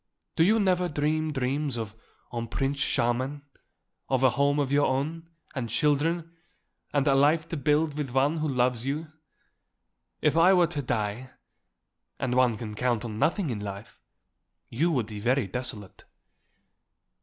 Do you never dream dreams of un prince charmant; of a home of your own, and children, and a life to build with one who loves you? If I were to die and one can count on nothing in life you would be very desolate."